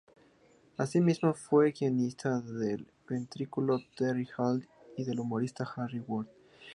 Así mismo, fue guionista del ventrílocuo Terry Hall y del humorista Harry Worth.